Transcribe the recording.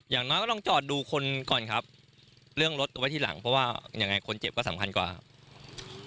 อย่างน้อยก็ลองจอดดูคนก่อนครับเรื่องรถไว้ที่หลังเพราะว่ายังไงคนเจ็บก็สำคัญกว่าครับ